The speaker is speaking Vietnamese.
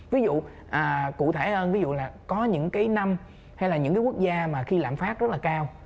ví dụ cụ thể hơn ví dụ là có những cái năm hay là những cái quốc gia mà khi lạm phát rất là cao